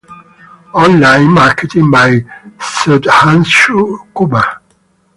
Online Marketing by Sudhanshu Kumar.